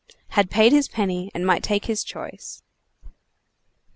had paid his penny and might take his choice.